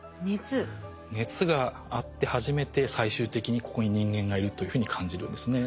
熱があって初めて最終的にここに人間がいるというふうに感じるんですね。